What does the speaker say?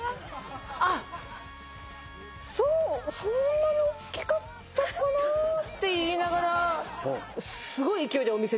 「あっそんなにおっきかったかなぁ」って言いながらすごい勢いでお店出ました。